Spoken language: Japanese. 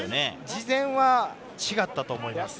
事前は違ったと思います。